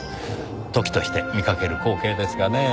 時として見かける光景ですがね。